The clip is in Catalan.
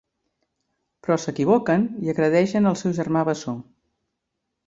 Però s'equivoquen i agredeixen el seu germà bessó.